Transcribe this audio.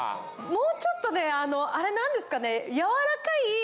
もうちょっとねあのあれ何ですかね。